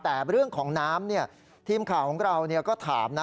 แต่เรื่องของน้ำทีมข่าวของเราก็ถามนะ